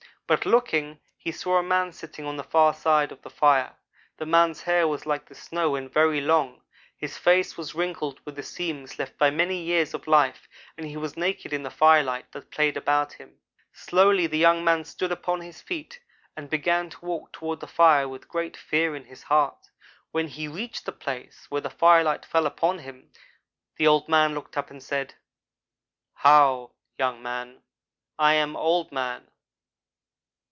But looking, he saw a man sitting on the far side of the fire. The man's hair was like the snow and very long. His face was wrinkled with the seams left by many years of life and he was naked in the firelight that played about him. "Slowly the young man stood upon his feet and began to walk toward the fire with great fear in his heart. When he had reached the place where the firelight fell upon him, the Old man looked up and said: "'How, young man, I am Old man.